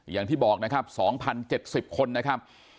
อย่างที่บอกนะครับ๒๐๗๐คนนะครับ